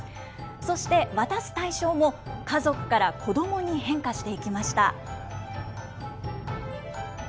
そして渡す対象も、家族から子どもに変化していきました。